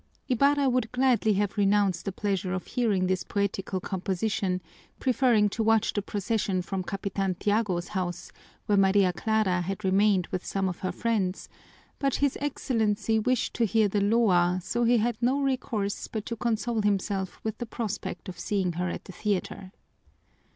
Ibarra would gladly have renounced the pleasure of hearing this poetical composition, preferring to watch the procession from Capitan Tiago's house, where Maria Clara had remained with some of her friends, but his Excellency wished to hear the loa, so he had no recourse but to console himself with the prospect of seeing her at the theater.